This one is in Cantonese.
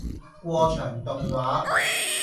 過場動畫